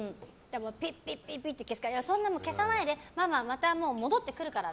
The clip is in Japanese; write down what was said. ピッピッて消すからいや、そんな消さないでママはまた戻ってくるから。